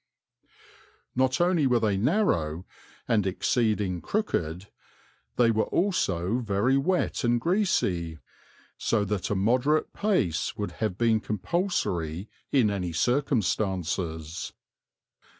Not only were they narrow and exceeding crooked, they were also very wet and greasy, so that a moderate pace would have been compulsory in any circumstances.